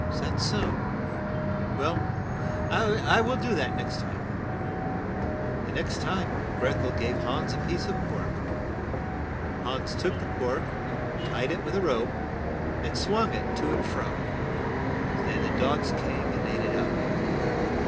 "Is that so? Well, I will do that the next time." The next time Greth el gave Hans a piece of pork. Hans took the pork, tied it with a rope, and swung it to and fro so that the dogs came and ate it up.